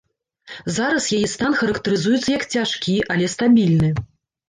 Зараз яе стан характарызуецца як цяжкі, але стабільны.